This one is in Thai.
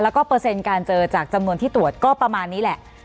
แล้วก็เปอร์เซ็นต์การเจอจากจำนวนที่ตรวจก็ประมาณนี้แหละ